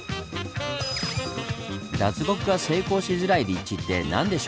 脱獄が成功しづらい立地って何でしょうか？